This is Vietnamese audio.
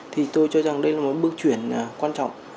thì tôi cho rằng đây là một bước chuyển quan trọng